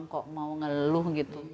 kok mau ngeluh